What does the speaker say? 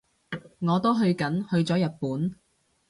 我都去緊，去咗日本